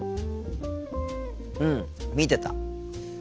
うん見てた。